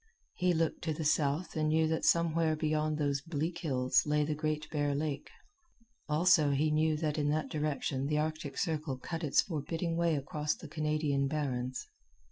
He looked to the south and knew that somewhere beyond those bleak hills lay the Great Bear Lake; also, he knew that in that direction the Arctic Circle cut its forbidding way across the Canadian Barrens.